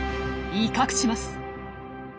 威嚇します。